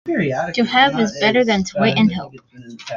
To have is better than to wait and hope.